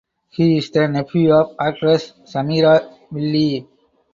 He is the nephew of actress Samira Wiley.